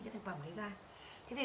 những cái thực phẩm ấy ra